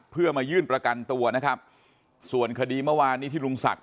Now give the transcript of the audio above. เพื่อมายื่นประกันตัวนะครับส่วนคดีเมื่อวานนี้ที่ลุงศักดิ